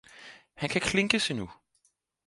Han kan klinkes endnu